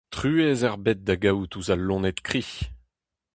Truez ebet da gaout ouzh al loened kriz !